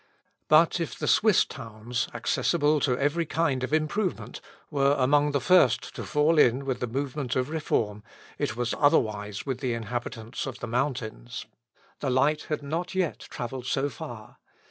But if the Swiss towns, accessible to every kind of improvement, were among the first to fall in with the movement of reform, it was otherwise with the inhabitants of the mountains. The light had not yet travelled so far.